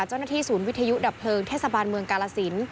เจ้าหน้าที่ศูนย์วิทยุดับเพลิงเทศบาลเมืองกาลสิน